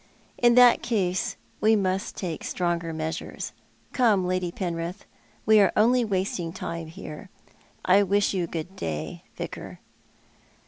" In that case, we must take stronger measures. Come, Lady Penrith, we are only wasting time here. I wish you good day, Vicar."